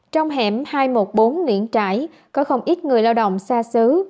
trong hẻm hai trăm một mươi bốn nguyễn trãi có không ít người lao động xa xứ